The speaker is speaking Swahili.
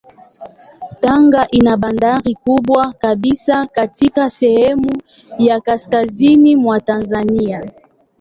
Tanga ina bandari kubwa kabisa katika sehemu ya kaskazini mwa Tanzania.